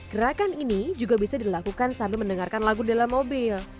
gerakan ini juga bisa dilakukan sambil mendengarkan lagu dalam mobil